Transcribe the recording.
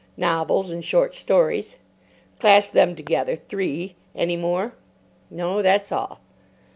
"Novels and short stories." "Class them together—three. Any more? "No; that's all."